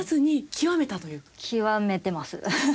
極めてます。